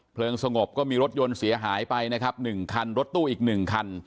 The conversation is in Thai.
เพลิงสงบก็มีรถยนต์เสียหายไปนะครับหนึ่งคันรถตู้อีกหนึ่งคัน